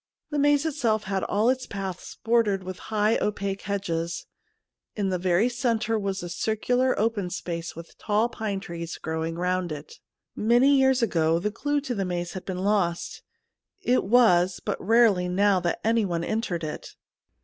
The maze itself had all its paths bordered with high opaque hedges ; in the very centre was a circular open space with tall pine trees growing round it. Many years ago the clue to the maze had been lost ; it was but rarely now that anyone entered it.